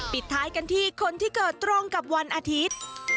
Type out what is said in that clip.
ปิดท้ายกันที่คนที่เกิดตรงกับวันอาทิตย์